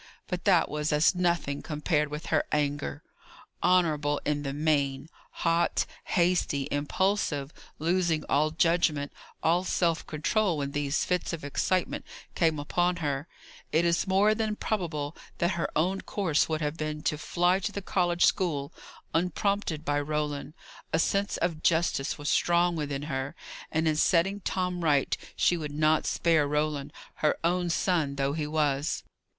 But that was as nothing, compared with her anger. Honourable in the main hot, hasty, impulsive, losing all judgment, all self control when these fits of excitement came upon her it is more than probable that her own course would have been to fly to the college school, unprompted by Roland. A sense of justice was strong within her; and in setting Tom right, she would not spare Roland, her own son though he was.